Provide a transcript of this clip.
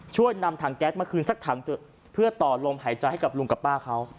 ช่วยนำถังแก๊สมาคืนสักถังเพื่อต่อลมหายใจให้กับลุงกับป้าเขา